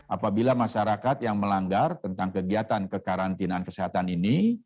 apabila masyarakat yang melanggar tentang kegiatan kekarantinaan kesehatan ini